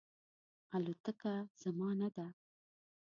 الوتکه زما نه ده